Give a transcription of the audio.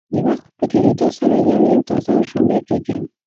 د وخت په تېرېدو سره یو یو تازه او ژوندۍ کېږي.